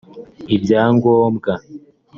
ibyangombwa